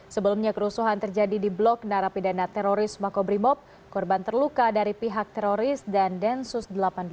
sebelumnya kerusuhan terjadi di blok narapidana teroris makobrimob korban terluka dari pihak teroris dan densus delapan puluh dua